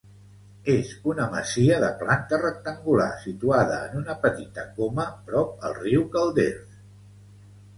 És una masia de planta rectangular, situada en una petita coma, prop el riu Calders.